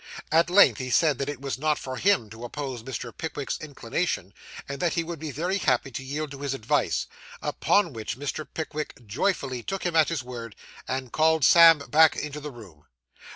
At length he said that it was not for him to oppose Mr. Pickwick's inclination, and that he would be very happy to yield to his advice; upon which, Mr. Pickwick joyfully took him at his word, and called Sam back into the room.